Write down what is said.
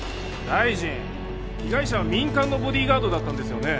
大臣被害者は民間のボディーガードだったんですよね？